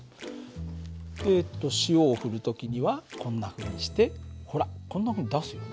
えっと塩を振る時にはこんなふうにしてほらこんなふうに出すよね。